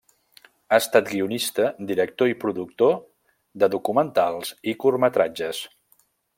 Ha estat guionista, director i productor de documentals i curtmetratges.